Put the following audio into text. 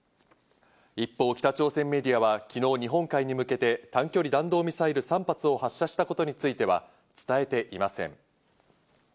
一方、北朝鮮メディアは昨日、日本海に向けて短距離弾道ミサイル３発を発射したことについては伝えていません。